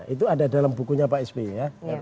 itu ada dalam bukunya pak sby ya